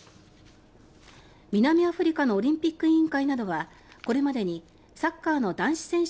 南アフリカのオリンピック委員会などはこれまでにサッカーの男子選手